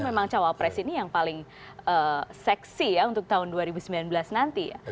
memang cawapres ini yang paling seksi ya untuk tahun dua ribu sembilan belas nanti ya